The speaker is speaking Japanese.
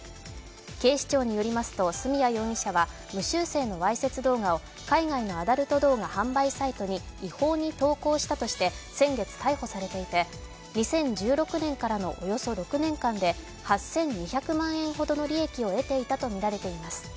警視庁によりますと角谷容疑者は無修正のわいせつ動画を海外のアダルト動画販売サイトに違法に投稿したとして先月逮捕されていて２０１６年からのおよそ６年間で、８２００万円ほどの利益を得ていたとみられています。